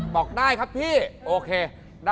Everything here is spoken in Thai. บอกได้ครับพี่โอเค